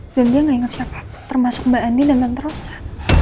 dan dia gak inget siapa termasuk mbak andi dan mbak nterosa